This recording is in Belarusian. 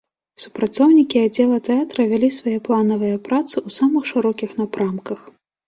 Супрацоўнікі аддзела тэатра вялі свае планавыя працы ў самых шырокіх напрамках.